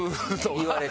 言われて。